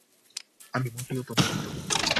আমি মোটেও তোমার মত নই!